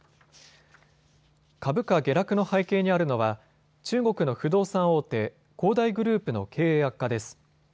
株価下落の背景にあるのは中国の不動産大手、恒大グループの経営悪化です。